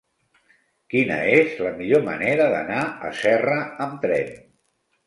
Quina és la millor manera d'anar a Serra amb tren?